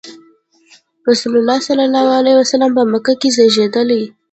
رسول الله ﷺ په مکه کې زېږېدلی.